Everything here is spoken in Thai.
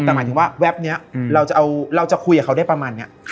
แต่หมายถึงว่าแป๊บนี้เราจะคุยกับเขาได้ประมาณนี้